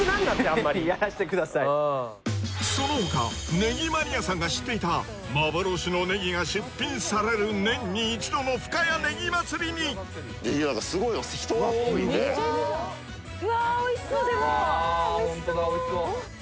あんまりやらしてくださいその他ネギマニアさんが知っていた幻のネギが出品される年に一度の深谷ねぎまつりに人が多いねうわーおいしそうでも・うわーおいしそう！